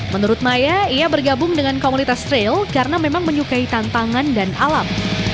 menurut maya ia bergabung dengan komunitas trail karena memang menyukai tantangan dan alam